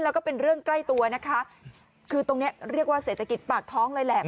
แล้วก็เป็นเรื่องใกล้ตัวนะคะคือตรงเนี้ยเรียกว่าเศรษฐกิจปากท้องเลยแหละ